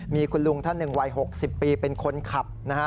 มีคุณลุงท่านหนึ่งวัย๖๐ปีเป็นคนขับนะฮะ